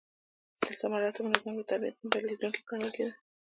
سلسله مراتبو نظام د طبیعت نه بدلیدونکی ګڼل کېده.